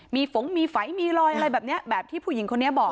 มีฝงมีไฝมีรอยอะไรแบบนี้แบบที่ผู้หญิงคนนี้บอก